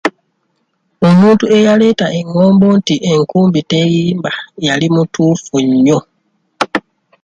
"Omuntu eyaleeta engombo nti ""enkumbi terimba"", yali mutuufu nnyo."